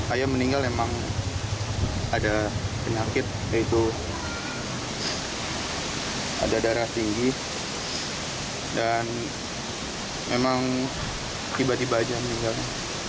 ayah meninggal memang ada penyakit yaitu ada darah tinggi dan memang tiba tiba aja meninggal